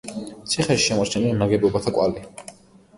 ციხეში შემორჩენილია ნაგებობათა კვალი.